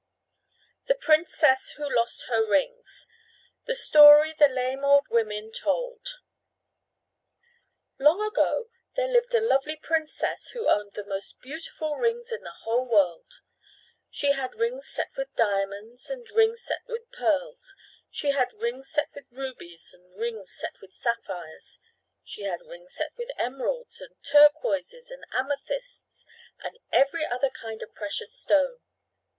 THE PRINCESS WHO LOST HER RINGS The Story the Lame Old Women Told Long ago there lived a lovely princess who owned the most beautiful rings in the whole world. She had rings set with diamonds and rings set with pearls. She had rings set with rubies and rings set with sapphires. She had rings set with emeralds and turquoises and amethysts and every other kind of precious stone.